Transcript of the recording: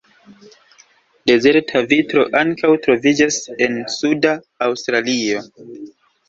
Dezerta vitro ankaŭ troviĝas en suda Aŭstralio.